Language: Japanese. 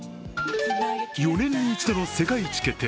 ４年に１度の世界一決定